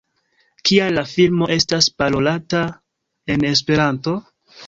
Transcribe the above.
Kial la filmo estas parolata en Esperanto?